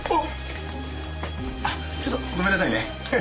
あっちょっとごめんなさいね。